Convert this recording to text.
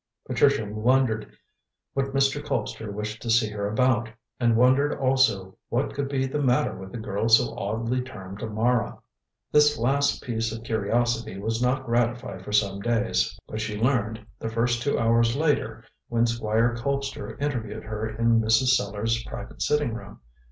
Patricia wondered what Mr. Colpster wished to see her about, and wondered also what could be the matter with the girl so oddly termed Mara. This last piece of curiosity was not gratified for some days, but she learned the first two hours later when Squire Colpster interviewed her in Mrs. Sellars' private sitting room.